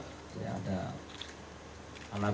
ada anafi ada saudara yoga ada saudara yaya